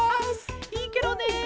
いいケロね。